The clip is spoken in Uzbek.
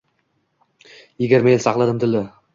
Yigirma yil sakladim dilda.